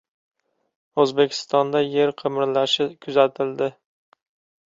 O‘zbekistonda yer qimirlashi kuzatildi